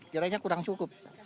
kiranya kurang cukup